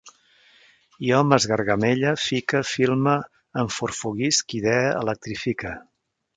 Jo m'esgargamelle, fique, filme, enforfoguisc, idee, electrifique